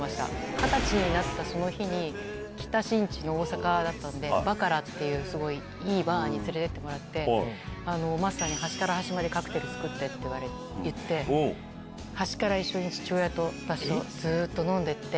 ２０歳になったその日に、北新地の、大阪だったんで、バカラっていうすごいいいバーに連れて行ってもらって、マスターに端から端までカクテル作ってって言って、端から一緒に父親と私とずっと飲んでいって。